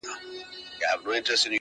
د خاوند ماشوم له وېري په ژړا سو؛